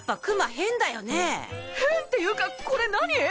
変っていうかこれ何！？